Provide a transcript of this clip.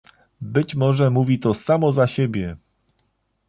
Być może mówi to samo za siebie